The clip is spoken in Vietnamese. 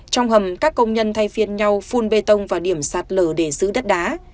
trong hầm các công nhân thay phiên nhau phun bê tông vào điểm sạt lở để giữ đất đá